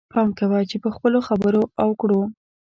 پام کوه چې په خپلو خبرو او کړو.